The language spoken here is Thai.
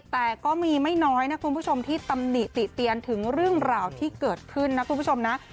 แต่ก็มีไม่น้อยนะคุณผู้ชมที่ตำหนิติเตียนถึงเรื่องราวที่เกิดขึ้นนะคุณผู้ชมนะ